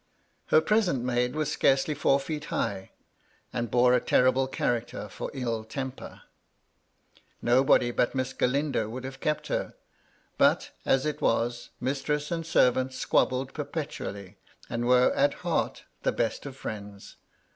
Her present maid was scarcely four feet high, and bore a terrible character for ill temper. Nobody but Miss Galindo would have kept her ; but, as it was, mistress and servant squabbled perpetually, and were, at heart, the best of friends.